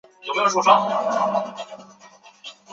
两人合作为时七年。